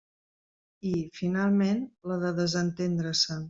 I, finalment, la de desentendre-se'n.